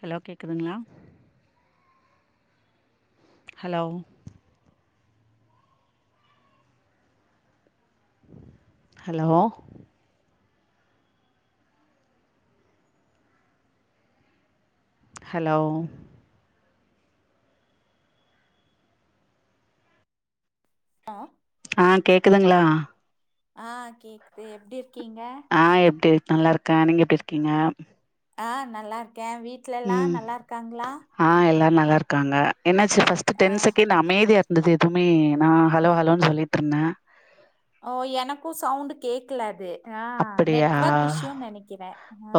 Hello கேக்குதுங்ளா hello hello hello ஆ ஆ கேக்குதுங்ளா ஆ கேக்குது எப்டி இருக்கீங்க ஆ எப்டி நல்லாருக்கே நீங்க எப்டி இருக்கீங்க ஆ நல்லா இருக்கே வீட்ல எல்லா ம் நல்லா இருக்காங்ளா ஆ எல்லாரு நல்லாருக்கறாங்க என்னாச்சு ஃபஸ்ட் ஆ டென் செகண்ட் அமைதியா இரு இந்தது எதுமே நா ஹலோ ஹலோன் சொல்லிட்டு இருந்தே ஓ எனக்கு சவுண்டு கேக்கல அது ஆ அப்படியா நெட்வொர்க் இஷ்யூன் நெனைக்கிற ஆ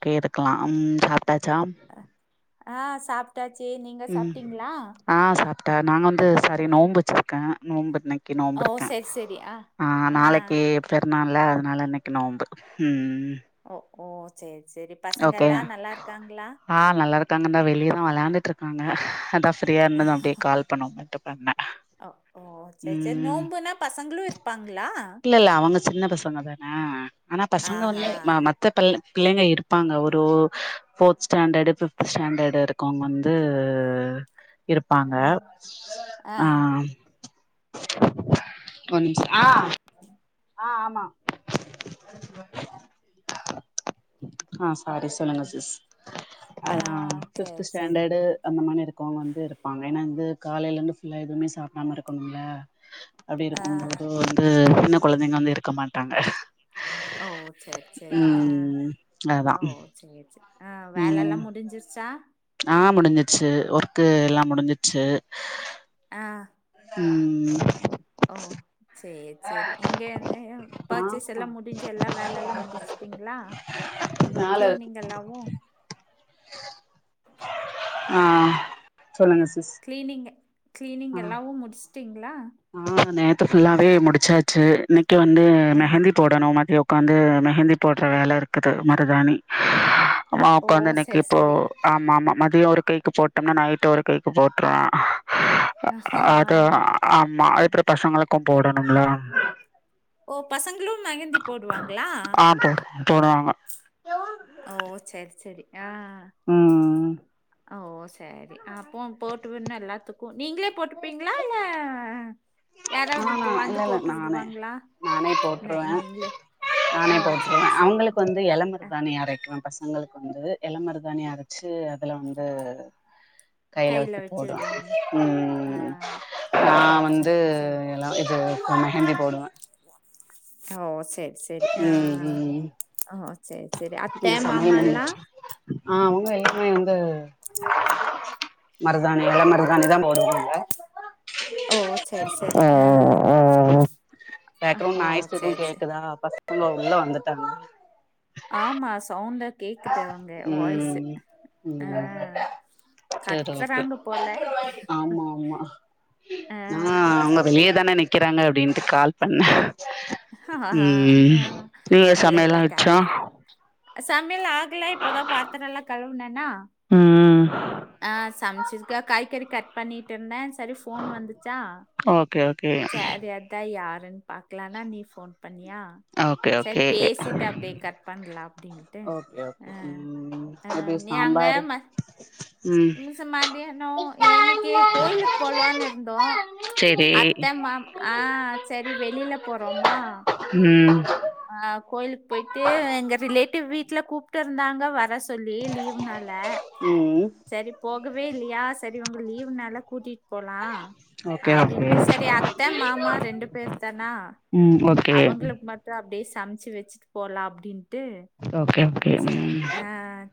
அப்டியே இருக்கலா அம் சாப்ட்டாச்சா ஆ சாப்ட்டாச்சு நீங்க ம் சாப்ட்டீங்களா ஆ சாப்பிட்டேன் நாங்க வந்து சாரி நோம்பு வச்சுருக்கேன் நோம்பு இன்னை கி ஓ நோம்புருக்கேன் செரி செரி ஆ அ ஆ நாளைக்கு பெருநாள்ல அதனா இன்னைக்கு நோம்பு ம் ஓ ஓ சேரி சேரி பசங்கலா நல்லா இருக்காங்களா அ நல்ல இருக்காங்க தா வெளியதான் வெளயாண்டுட்டு இருக்காங்க அதா ஃப்ரியா இருந்தன்னு அப்டியே கால் பண்ணோ மட்டு பண்ணேன் ஓ ஓ செரி செரி ம் நோம்புனா பசங்களு இருப்பாங்களா இல்லல்ல அவங்க சின்ன பசங்க தான ஆனா பசங்க வந்து ஆஹா ம மத்த ப பிள்ளைங்க இரு ப்பாங்க ஒரு ஓ ஃபோர்த் ஸ்டாண்டர்டு ஃப்த் ஸ்டாண்டர்டு இருக்கங்க வந்து இருப்பாங்க ஆ ஆ கொஞ்சோ ஆ ஆ ஆமா ஆ சாரி சொல்லுங்க சிஸ் ஆ அதுனா செரி ஃப்த்து செரி ஸ்டண்டடு அந்த மாணி இருக்கவங்க வந்து இருப்பாங்க ஏன்னா இந்து காலையில இருந்து ஃபுல்லா எதுவுமே சாப்டாம இருக்கணும்ல அப்டி ஆ இருக்கும்போது வந்து சின்ன கொழந்தைங்க வந்து இருக்க மாட்டாங்க செர் சேரி அ ம் அதா ஓ சேரி சேரி அ வேலை ம் எல்லாம் முடிஞ்சிருச்சா ஆ முடிஞ்சிச்சு ஒர்க்கு எல்லாம் முடிஞ்சிச்சு அ ம் ஓ சேரி சரி இங்க இந்த எதோ ஆமா பர்ச்சேஸ்ல்லா முடிஞ்சி எல்லா வேல எல்லா முடிச்ட்டீங்களா மேல இருக்கு. கிளீனிங் எல்லாவு ஆ சொல்லுங்க சிஸ் கிளீனிங்க் க்ளீனிங் ஆ எல்லாவு முடிச்ட்டீங்களா ஆ நேத்து ஃபுல்லாவே முடிச்சாச்சு இன்னைக்கு வந்து ஆ மெஹந்தி போடணும் மதியோ பாந்து மெஹந்தி போட்ற வேல இருக்குது மருதாணி மா ஓ உக்காந்து இன்னைக்கு சேரி ப்போ சேரி ஆமா ஆமா மதியம் ஒரு கேக்கு போட்டோம்னா நைட் ஒரு கேக்கு போட்ருவேன் ஆமா அது ஆமா அதுப்பற பசங்களக்கும் போடணும்ல ஓ பசங்களும் மெஹந்தி போடுவாங்ளா ஆ போட் போடுவாங்க ஓ சேரி சேரி அ ம் அ ஓ சேரி அ போ போட்டு விடுனா எல்லாத்து கோன் நீங்ளே போட்ப்பீங்களா இல்ல யாராவ்து ஆனா இப்போ இல்ல வந்து இல்ல போட்டு நானே விடுவாங்களா நானே நை போட்ருவே நீங்ளே அ ஓ செரி செரி ந்து எல மருதாானி அரைக்குவேன் பசங்களுக்கு வந்து எல மருதாணி அரைச்சு அதில வந்து கையில வத்து வச்சு போடனும் விடுவீங்க. ஆ. ம் நா ஓ! ச வந்து சரி. எல்லா இது மெஹந்தி போடுவேன் ஓ செரி செரி ம் ம் ஓ செரி செரி அத்த இங்க சமையல் மாமா எல்லாம் முடுஞ்சு ஆ அவுங்க எல்லாமே வந்து மருதாணி எல மருதாானி தான் போடுவங்க ஓ! சரி, சரி. அஅ ஆ. அஅ ஆ. பேக்ரவுண்ட் ஓ! நாய்ஸ் எதும் சரி, சரி. கேக்குதா பசங்கள உள்ள வந்துட்டாங்க ஆமா சவுண்டா கேக்குது அவங்க வாய்ஸு ம் அ சேரி ஓகே ஆமா ஆமா ஆ. அ அவங்க சரி. வெளியே தானே நிக்கிறாங்க அப்டின்ட்டு கால் பண்ண ம் ஆஹ் நீங்க இல்ல சமையல் இல்ல கா ஆச்சா சமையல் ஆகல இப்போதான் பாத்ரோம்லா கழுவுனேனா ம் ஆ சமச்சிருக்கே காய் கறி க ட பண்ணிட்டு இருந்தேன் செரி போன் வந்துச்சா ஓகே ஓகே சேரி அப் அதா யாருன்னு பாக்கலானா நீ போன் பண்ணியா ஓகே செரி ஓகே ஓகே பேசிட்டு அப்டியே கட் பண்ணலாம் அப்டின்ட்டு ஓகே அ ம் அ எப்டி நீ அங்க சாம்பாரு ம [unintelligible] மிசம் மதியானம் இன்னைக்கு கோயிலுக்கு போலனு இருந்தோ சேரி அத்தைம்மா ஆ செரி வெளியில போறோமா ம். ஆ கோயிலுக்கு போயிட்டு எங்க ரிலேட்டிவ் வீட்ல கூப்ட்ருந்தாங்க வர சொல் லி லீவ்னால ம் செரி போகவே இல்லையா செரி உங்களுக்கு லீவ்னால கூட்டிட்டு போலா ஓகே ஓகே அப்டின்ட்டு செரி அத்தை மாமா ரெண்டு பேர் தானா ம் ஓகே அவங்களுக்கு மட் டும் அப்டியே சமைச்சு வச்சிட்டு போலாம் அப்டின்ட்டு ஓகே ஓகே சேரி ம் ஆ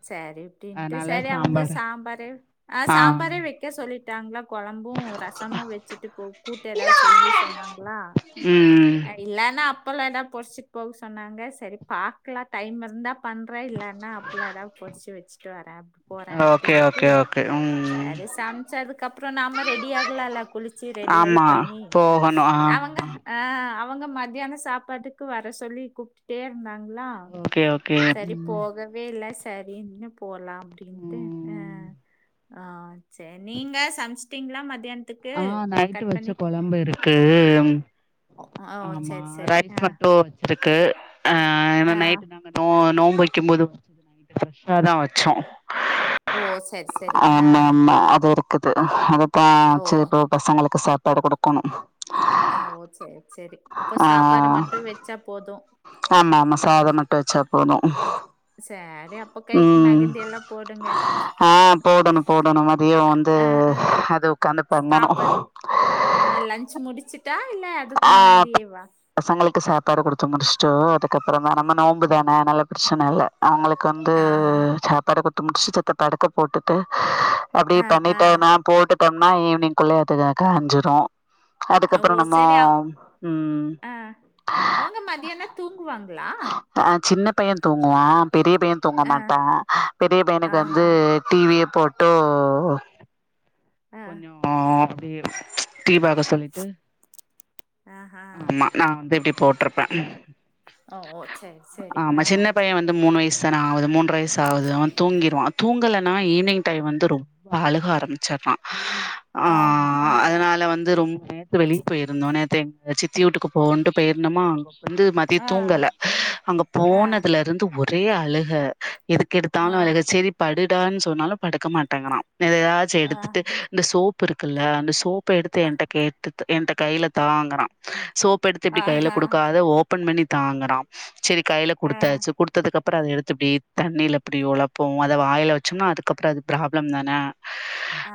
சேரி அப்டின்ட்டு அதனால செரி அவங்க சாம்பார் சாம்பரு அ ஆ சாம்பாரே வைக்க சொல்லி விட்டாங்களா கொழம்பும் ரசமும் வச்சுட்டு போ கூட்டு ஏதாவ செய்யி சொன்னாங்களா ம் இல்லைன்னா அப்பளலம் எதான பொரிச்சிட்டு போக சொன்னாங்க செரி பாக்கலாம் டைம் இருந்தா பண்றேன் இல்லன்னா அப்பளம் ஏதாவது பொரிச்சு வச்சுட்டு வரேன் போறேன் ஓகே அப்டின்ட்டு ஓகே ஓகே ம் சேரி சமைச்சதுக்கப்புறம் நாம ரெடி ஆகலாம்ல்ல குளிச்சு ரெடி ஆகி ஆமா பண்ணி போகணு ஆ அவங்க அ அவங்க மத்தியானம் சாப்பாட்டுக்கு வர சொல்லி கூப்ட் பிட்டே இருந்தாங்களா ஓகே ஓகே செரி ம் போகவே இல்ல செரினு போலாம் அப்டின்ட்டு ம் அ செரி நீங்க சமச்சட்டீங்களா மத்தியா ஆ நைட்டு வச்ச கொழம்பு இருக்கு ஓ ஓ, கொஞ்சமா சரி சரி ரைஸ் ஆஹ் மட்டும் வடுச்சிருக்கு ஆ ஏனா ஆஹ் நைட்டு நோ நோம்பு வைக்கும் போது ப்ரஷ்ஷாதா வச்சோம் ஓ சரி சரி ஆ ஆமா ஆமா அது ஒரு இருக்குது அதத்தான் ஓ வச்சு இப்போ பசங்களுக்கு சாப்பாடு கொடுக்கணும் ஓ சேரி சேரி அப்போ ஆ சாப்பாடு மட்டும் வச்சா போதும் ஆமா ஆமா சாதம் மட்டும் வச்சா போதும் சேரி அப்ப கைக்கு ம். மெகிந்திலாம் போடுங்க உடன மாதியம் வந்து ஆ ஆ அது உக்காந்து பண்ணணும் சாப்பாடு ஆ லன்ச் முடிச்சுட்டா இல்ல அதுக்கு ஆ முன்னாடியே வா பசங்களுக்கு சாப்பாடு கொடுத்து முடிச்சுட்டோ அதுக்கப்புறமா நம்ம நோன்ம்புதானே அதனால பிரச்சனை இல்ல அவங்களுக்கு வந்து ஆஹா சாப்பாடு கொடுத்து முடிச்சுட்டு இப்ப படுக்கை போட்டுட்டு அப்டியே ஆ ஆ பண்ணிட்டு நா போட்டு பண்ணா ஈவினிங் குள்ளே அதுக்காக அஞ்சுரும் ஓ அதுக்கப்புறம் நம்ம ஆ சரி அவ் ம் ஆ அவங்க மதியானம் தூங்குவாங்களா ஆ சின்ன பைய தூங்குவா பெரிய பைய தூங்க ஆ மாட்டா பெரிய பையனுக்கு ஆஹா வந்து டிவிய போட்டு ஆ கொஞ்சோ அப்டி டீ பாக்க சொல்லிட்டு ஆஹா ஆமா நா வந்து இப்டி போட்டிருப்பே ஓ ஓ சரி சரி ஆமா ஆ சின்ன பைய வந்து மூணு வயசு தானே ஆவுது மூன்ற வயசு ஆவுது அவ தூங்கிறுவா தூங்கலனா ஈவ்னிங் டைம் வந்து ரொம்ப அழுக ஆரம்பிச்சறா ஆ ஆமா ஆ அதனால வந்து ரொம்ப நேத்து வெளியே போயிருந்தோ நேத்த எங்க சித்தி வூட்டுக்கு போவுண்டு போயிருந்தோமா அங்க வந்து மதிய ஆ தூங்கல அங்க ஆ போனதுல இருந்து ஒ ரே அழுக எதுக்கெடுத்தாலு ஆ அழுக செரி படுடான்னு சொன்னாலு படுக்க மாட்டேங்கிற நெதயாச்சி ஆ எடுத்துட்டு இந்த சோப்பு இருக்குல்ல அந்த சோப்ப எடுத்து என்ட்ட கேட்டுட்டு என்ட கைல தாங்கறா சோப் எடுத்து இப்டி கைல ஆஹா குடுக்காத ஓப்பன் பண்ணி தாங்கறா சேரி கைல ஆ குடுத்தாச்சு குடுத்ததுக்கப்பற அத எடுத்து இப்டி தண்ணில இப்டி ஒழப்பு அத வாயில வச்சோம்னா அதுக்கப்றோ அது ப்ராப்ளம் தான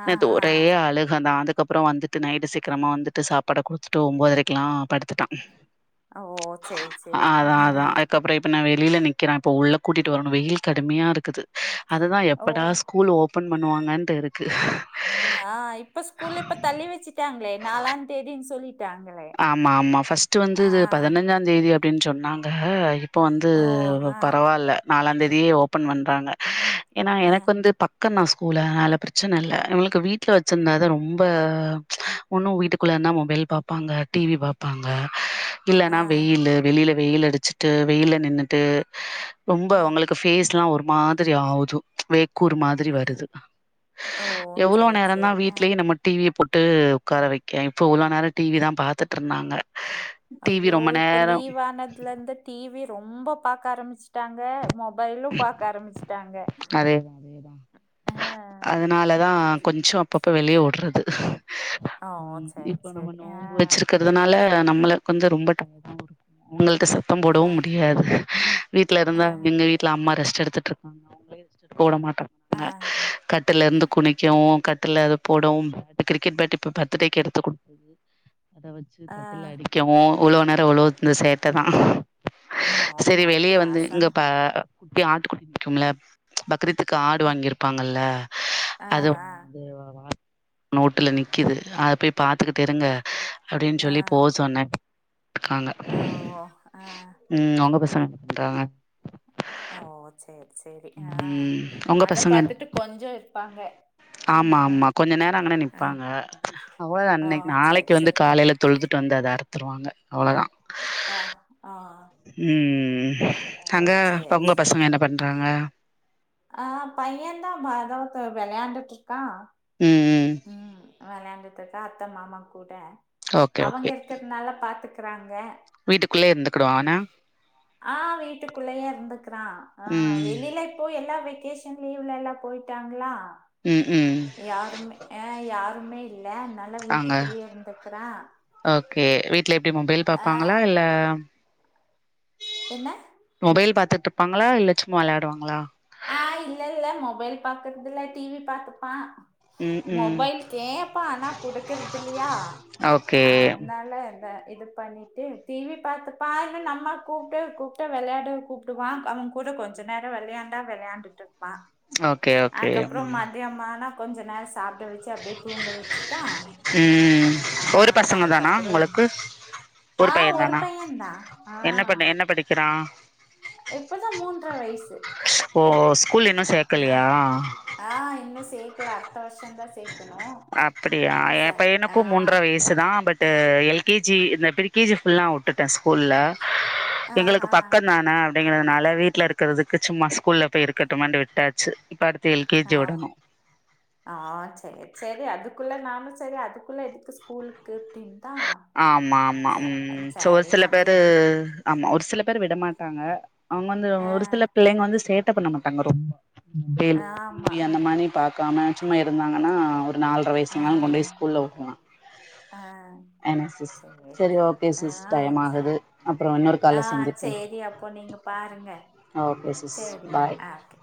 ஆ நேத்து ஆ ஒரே அழுக தா அதுக்கப்றோ வந்துட்டு நைட்டு சீக்கிரமா வந்து ட்டு சாப்பாட குடுத்துட்டு ஒம்போதரைக்கெல்லா படுத்துட்டா ஓ சேரி சேரி ஆ கப்றோ இப்ப நா வெளில நிக்ற இப்ப உள்ள கூட்டிட்டு வரணு வெயில் கடுமியாருக்குது அதுதா ஓ எப்படா ஸ்கூல் ஓபன் பண்ணுவாங்கன்டு இருக்கு ஆ இப்ப ஸ்கூல்லு இப்ப தள்ளி வெச்சுட்டாங்ளே நாலாந் தேதினு சொல்லி டாங்களே ஆமா ஆமா ஃபர்ஸ்ட் வந்தது பதனஞ்ச தேதி அப்டின் சொன்னாங்க இப்போ வந்து ஓ ஆ பரவால்ல நாலாந்தேதியே ஓபன் பண்றாங்க ஏன்னா ஆ எனக்கு வந்து பக் கனா ஸ்கூல அதனால பிரச்சன இல்ல இவங்களுக்கு வீட்ல வெச்சிருந்தாத ரொம்ப ஒன்னு வீட்டுக்குள்ளனா மொபைல் பாப்பாங்க டிவி பாப்பாங்க ஆ இல்லன்னா வெயிலு வெளில வெயில் அடிச்சுட்டு வெயில்ல நின்னுட்டு ரொம்ப ஆ அவங்களுக் ஃபேஸ்லா ஒரு மாதிரி ஆவுது வேக்கூர் மாத் திரி வருது ஓ எவ்ளோ சேரி நேரந்தா சேரி ஆ வீட்லயே நம்ம டிவிய போட்டு உக்கார வைக்க இப்போ இவ்ளோ நேர டிவி தா பாத்துட் இருந்தாங்க ஐயோ இப்ப லீவ் ஆனதுல இருந்து டிவி ரொம்ப பாக்க ஆரம்பிச்சுட்டாங்க மொ பைலு பாக்க ஆரம்பிச்சுட்டாங்க அ னால தா கொஞ்சோ அப்பப்போ வெளிய வுட்றது ஓ சேரி இப்ப நம்ம சேரி ஆ நோம்பு வச்சிருக்க அதனால நம்மள கொஞ்சோ ரொம்ப டயர தா இருக்கு அவங்கள்ட்ட ச சத்தம் ஆ போடவு முடியாது வீட்ல ஆ இருந்தா எங்க வீட் வீட்ல அம்மா ரெஸ்ட் எடுத்துட்ருக்காங்க அவுங்களயு ரெஸ்ட் எடுக்க வுட ஆ மாட்டாங்க கட்டுல்ல இருந்து குனிக்குவு கட்டுல்ல அது போடுவு கிரிக்கெட் பேட்டு இப்போ பர்து டேக்கு எடுத்து கு அத வச்சு ஆ கட்டுல அடிக்கவு உழவு நேரோ உழவு இருந்த சேட்டதா சேரி ஆமா வெளிய வந்து பசங்க இங்க பா குட்டி ஆட்டு குட்டி நிக்கும்ல பக்ரீத்துக்கு ஆடு அ வாங்கியிருப்பாங்கல்ல ஆ அது ஆ அது நோட்டுல நிக்குது அத போய் பாத்துக்கிட்டு இருங்க அப்டின் ஆ சொல்லி போ சொன்ன அங்க ஆ ஓ ஆ ம் உங்க பசங்க என்ன பண்றாங்க ஆ ஓ சேரி சேரி ஆ ம் உங்க அத பசங்க பாத்துட்டு கொஞ்சோ இருப்பாங்க ஆ ஆமா ஆமா கொஞ்சோ நேரோ அங்கன ஆ நிப்பாங்க அவ்ளோதா ஓ இன்னைக் சேரி நாளைக்கு வந்து சேரி காலைல தொழுதுட்டு வந்து அத அறுத்துருவாங்க அவ்ளோதா அ ஆ ம் ஓ அங்க சேரி ஒங்க சேரி பசங்க என்ன பண்றாங்க ஆ பைய தா பதவுத்து வெளையாண்டுட்டு இருக்கா ம் ம் வெளையாண்டுட்டு இருக்கா அத்த மாமா கூட ஓகே அவுங்க ஓகே இருக்கறதுனால பாத்துக்கறாங்க வீட்டுக்குள்ளே இருந்துக்குடுவானா ஆ வீட்டுக்குள்ளயே இருந்துக்கறா ஆ ம் வெளில இப்போ எல்லா வெக்கேஷ் எனா லீவ்ல எல்லா போயிட்டாங்களா ம் ம் யாருமே அ யாருமே இல்ல அதனால அங்க வீட்டுக்குள்ளயே இருந்துக்கறா ஓகே வீட்ல எப்டி மொபைல் பாப்பாங்களா இல்ல என்ன மொபைல் பாத்துட்டுருப்பாங்களா இல்ல சும்மா வெளையாடுவாங்களா ஆ இல்ல இல்ல மொபைல் பாக்குறதுல்ல டிவி பாத்துப்பா ம் ம் மொபைல் கேப்பா ஆனா குடுக்குறது இல்லையா ஓகே அதுனால எந்த இது பண்ணி டு டி வி பாத்தப்பா நம்மா கூப்ட்டு கூப்ட்டு விளையாட கூப்ட்டுவா அவன் கூட கொஞ்சோ நேரோ விளையா விளையாண்டுட்டு இருப்பா ஓகே ஓகே அதுக்கப்றோ ம் மதியம் ஆனா கொஞ்ச நேரோ சாப்ட வெச்சு ட்டு அப்படியே தூங்க வெச்சுட்டா ம் ஆ ஒரு பசங்க தானா அதுக்கப்றோ உங்களுக்கு ஆ ஒரு பைய்யதா ஆ கெடா இப்பதா மூன்ற வயசு ஓ ஸ்கூல் இன்னு அ ஹ சேக்கலையா ஆ இன்னு சேக்கல அடுத்த வருஷோ தா சேக்கணு அப்படியா எ சர் ஆ பையனுகு மூன்ற வயசு தா பட் டு எல்கேஜி இந்த ப்ரிகேஜி ஃபுல்லா வுட்டுட்டே ஸ்கூல்ல ஆ எங்களுக்கு ஆ பக்கந்தான அப்படிங்கிறதுனால வீட்டுல இருக்கறதுக்கு சும்மா ஸ்கூல்ல போய் இருக்கட்டுமேனு விட்டாச்சு இப்ப அடுத்து ஆ எல்கேஜி விடனு ஆ சேரி சேரி அதுக்குள்ள நானு சேரி அதுக்குள்ள எதுக்கு ஸ்கூலுக்கு அப்டினு தா ஆமா ஆமா ம் ஒரு சில அப்டியே பேரு விட்டுட்டே ஆமா ஒரு சில பேரு விட மாட்டாங்க அவுங்க வந்து ஆ ஒரு சில பிள்ளைங்க வந்து சேட்ட பண்ண மாட்டாங்க ரொம்ப ஆமா [inaudible] ஆ அந்த மாரி பாக்காம சும்மா இருந்தாங்கன்னா ஒரு நால்ர ஆ வயசுல நாலு கொண்டு போய் ஸ்கூல்ல வுட்ரலா ஆ சேரி சரி ஓகே ஆ சிஸ் டைம் ஆகுது அப்புறம் இன்னொரு கால்ல ஆ சந்திப்போம் சேரி அப்போ நீங்க பாருங்க ஓகே சிஸ் சேரி பாய் ஆ ஓகே